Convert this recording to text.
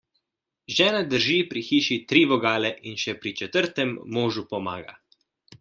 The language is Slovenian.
Žena drži pri hiši tri vogle in še pri četrtem možu pomaga.